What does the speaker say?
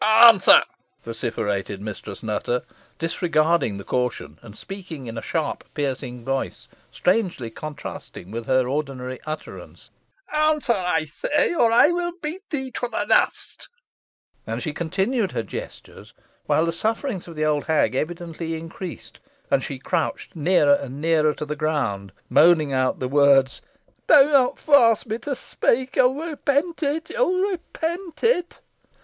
"Answer," vociferated Mistress Nutter, disregarding the caution, and speaking in a sharp piercing voice, strangely contrasting with her ordinary utterance. "Answer, I say, or I will beat thee to the dust." And she continued her gestures, while the sufferings of the old hag evidently increased, and she crouched nearer and nearer to the ground, moaning out the words, "Do not force me to speak. You will repent it! you will repent it!"